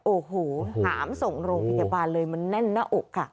โอ้โหหามส่งโรงพยาบาลเลยมันแน่นหน้าอกค่ะ